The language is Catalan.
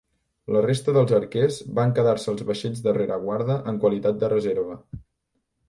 La resta dels arquers van quedar-se als vaixells de rereguarda en qualitat de reserva.